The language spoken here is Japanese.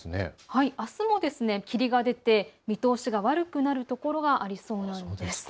あすも霧が出て見通しが悪くなるところがありそうなんです。